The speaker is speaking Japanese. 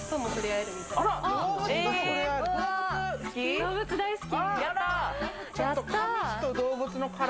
動物大好き。